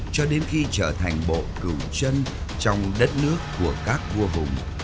cho đến khi trở thành bộ cửu chân trong đất nước của các vua hùng